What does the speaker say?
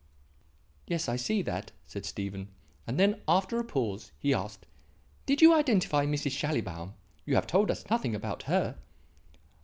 "Yes, I see that," said Stephen, and then after a pause he asked: "Did you identify Mrs. Schallibaum? You have told us nothing about her."